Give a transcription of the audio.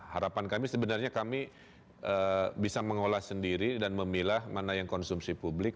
harapan kami sebenarnya kami bisa mengolah sendiri dan memilah mana yang konsumsi publik